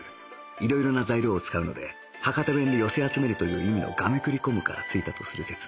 いろいろな材料を使うので博多弁でよせ集めるという意味の「がめくりこむ」からついたとする説